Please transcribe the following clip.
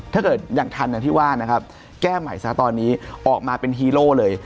ถ้าเกิดยังทันที่ว่าแก้ใหม่ซะตอนนี้ออกมาเป็นฮีโร่เลย